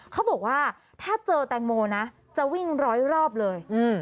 เขาบอกว่าถ้าเจอแตงโมนะจะวิ่งร้อยรอบเลย